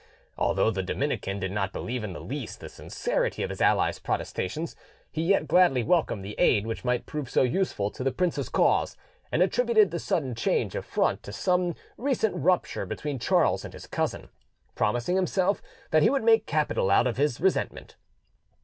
Although the Dominican did not believe in the least in the sincerity of his ally's protestations, he yet gladly welcomed the aid which might prove so useful to the prince's cause, and attributed the sudden change of front to some recent rupture between Charles and his cousin, promising himself that he would make capital out of his resentment.